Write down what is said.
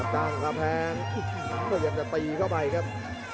ตั้งกับแพงยังจะตีเข้าไปครับ